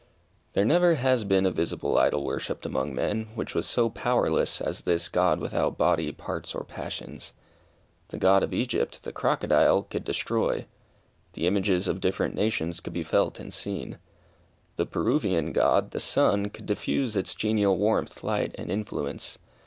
There never has been a visible idol worshipped among men, which was so powerless as this "God without body, parts, or passions." The god of Egypt, the crocodile, could destroy. The images of different nations could be felt and seen. The Peruvian god, the Sun, could diffuse its genial warmth, light, and influence.